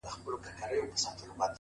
ه زړه مي په سينه كي ساته ـ